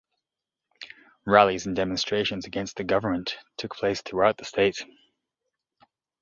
Rallies and demonstrations against the government took place throughout the state.